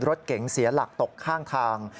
รถเก๋งเสียหลักตกข้างทาง